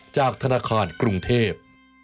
จากธนาคารกรุงเทพ